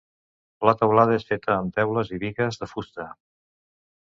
La teulada és feta amb teules i bigues de fusta.